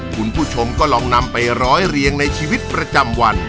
คุณผู้ชมก็ลองนำไปร้อยเรียงในชีวิตประจำวัน